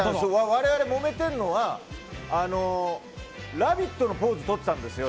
我々もめてるのは「ラヴィット！」のポーズをとってたんですよ。